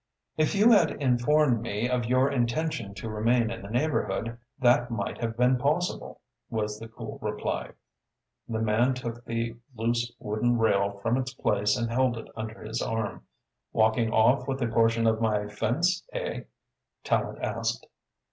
"If you had informed me of your intention to remain in the neighborhood, that might have been possible," was the cool reply. The man took the loose wooden rail from its place and held it under his arm. "Walking off with a portion of my fence, eh?" Tallente asked.